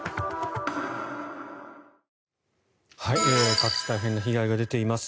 各地大変な被害が出ています。